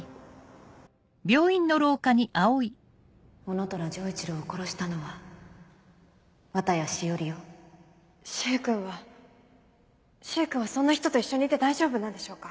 男虎丈一郎を殺したのは綿谷詩織よ柊君は柊君はそんな人と一緒にいて大丈夫なんでしょうか？